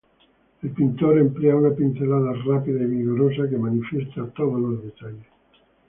El pintor emplea una pincelada rápida y vigorosa que manifiesta todos los detalles.